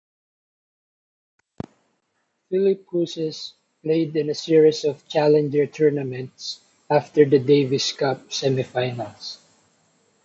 Philippoussis played in a series of Challenger tournaments after the Davis Cup semifinals.